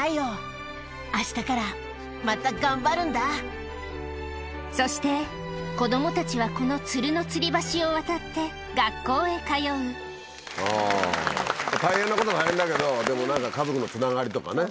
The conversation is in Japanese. こうして無事そして子供たちはこのツルのつり橋を渡って学校へ通うあぁ大変なことは大変だけどでも何か家族のつながりとかね